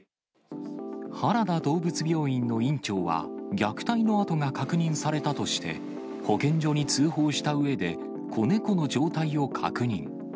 はらだ動物病院の院長は、虐待のあとが確認されたとして、保健所に通報したうえで、子猫の状態を確認。